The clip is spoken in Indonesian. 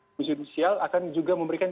komisi judisial akan juga memberikan